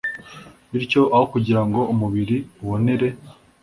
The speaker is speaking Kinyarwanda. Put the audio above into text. Bityo aho kugira ngo umubiri ubonere